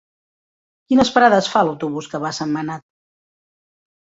Quines parades fa l'autobús que va a Sentmenat?